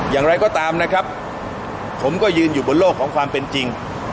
อย่างไรก็ตามนะครับผมก็ยืนอยู่บนโลกของความเป็นจริง